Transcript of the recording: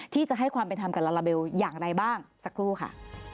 ที่จะให้ความเป็นธรรมกับลาลาเบลอย่างไรบ้างสักครู่ค่ะ